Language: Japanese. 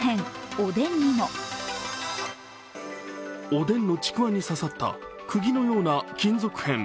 おでんのちくわに刺さったくぎのような金属片。